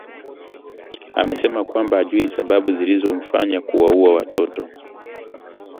amesema kwamba hajui sababu zilizomfanya kuwaua watoto